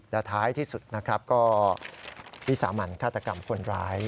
และท้ายที่สุดนะครับก็วิสามันฆาตกรรมคนร้าย